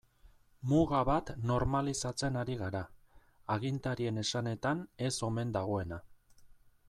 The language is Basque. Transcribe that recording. Muga bat normalizatzen ari gara, agintarien esanetan ez omen dagoena.